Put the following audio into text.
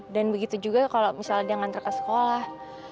dan begitu juga kalo misalnya dia ngantre ke sekolah